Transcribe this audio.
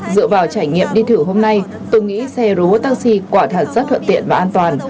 dựa vào trải nghiệm đi thử hôm nay tôi nghĩ xe robot taxi quả thật rất thuận tiện và an toàn